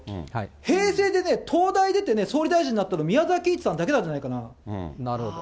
平成で東大出て総理大臣になったの、宮澤喜一さんだけじゃないかな。